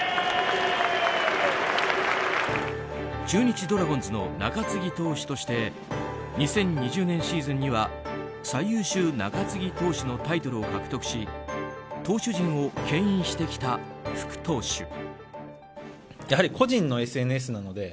中日ドラゴンズの中継ぎ投手として２０２０年シーズンには最優秀中継ぎ投手のタイトルを獲得し投手陣を牽引してきた福投手。